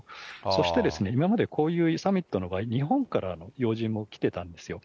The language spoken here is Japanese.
そして今までこういうサミットの場合、日本からの要人も来てたんですよ。